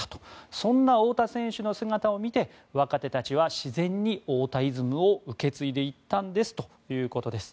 そんな太田選手の姿を見て若手たちは自然に太田イズムを受け継いでいったんですということです。